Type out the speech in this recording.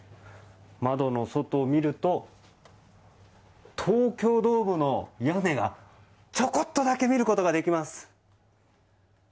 窓の外を見ると東京ドームの屋根がちょこっとだけ見ることができます。